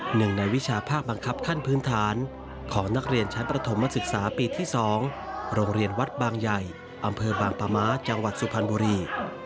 หนึ่งในวิชาภาคบังคับขั้นพื้นฐานของนักเรียนชั้นประถมศึกษาปีที่๒โรงเรียนวัดบางใหญ่อำเภอบางปะม้าจังหวัดสุพรรณบุรี